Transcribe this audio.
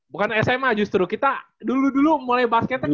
bukan sma justru kita dulu dulu mulai basketnya